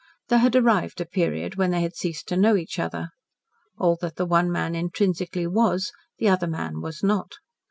There had arrived a period when they had ceased to know each other. All that the one man intrinsically was, the other man was not.